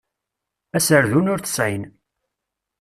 Aserdun ur t-sεin.